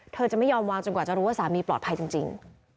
เธอจะไม่ยอมวางจนกว่าจะรู้ว่าสามีปลอดภัยจริง